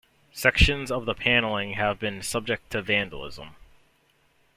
Sections of the panelling have been subject to vandalism.